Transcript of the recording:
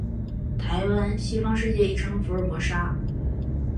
台湾，西方世界亦称福尔摩沙。